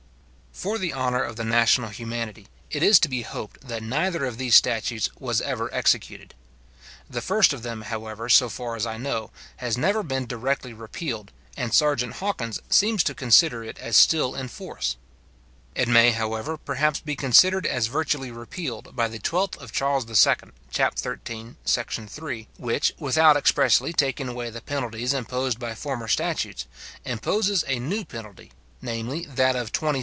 For the honour of the national humanity, it is to be hoped that neither of these statutes was ever executed. The first of them, however, so far as I know, has never been directly repealed, and serjeant Hawkins seems to consider it as still in force. It may, however, perhaps be considered as virtually repealed by the 12th of Charles II. chap. 32, sect. 3, which, without expressly taking away the penalties imposed by former statutes, imposes a new penalty, viz. that of 20s.